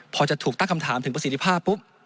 พอจะถูกตั้งคำถามถึงประสิทธิภาพปุ๊บ